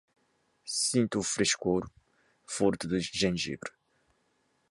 Sinto o frescor forte do gengibre